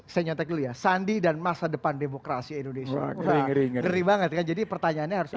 saya masih bersama sandiaga uno dan judul kita agak mentaring bang